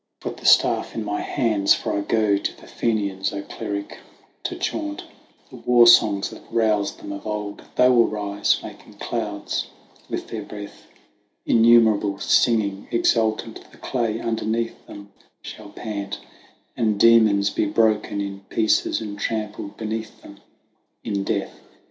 Oisin. Put the staff in my hands ; for I go to the Fenians, cleric, to chaunt The war songs that roused them of old ; they will rise, making clouds with their breath Innumerable, singing, exultant; the clay underneath them shall pant, And demons be broken in pieces, and trampled beneath them in death.